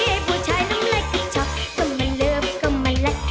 ให้ผู้ชายน้ำไลก์ก็ชอบก็มันเลิฟก็มันไลก์